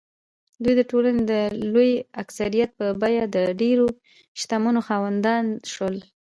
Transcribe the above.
دوی د ټولنې د لوی اکثریت په بیه د ډېرو شتمنیو خاوندان شول.